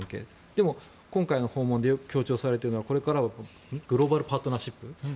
でも今回の訪問で強調されているのはこれからはグローバル・パートナーシップ。